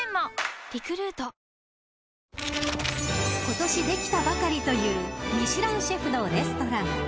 ［ことしできたばかりというミシュランシェフのレストラン］